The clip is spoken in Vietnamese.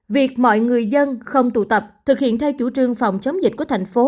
việc mọi người dân không tụ tập thực hiện theo chủ trương phòng chống dịch của thành phố